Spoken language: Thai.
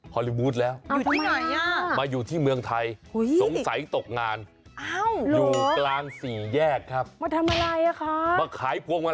วงมาลายด่าใกล้กลับมาแล้วจ้า